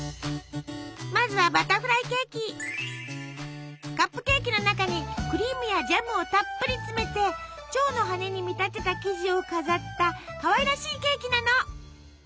まずはカップケーキの中にクリームやジャムをたっぷり詰めて蝶の羽に見立てた生地を飾ったかわいらしいケーキなの。